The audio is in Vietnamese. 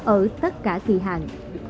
ở tất cả kỳ hạn